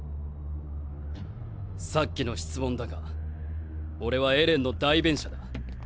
さっきの質問だが俺はエレンの代弁者だ。